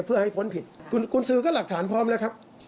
เพื่อให้พ้นผิดกุณศือก็หลักฐานพร้อมครับ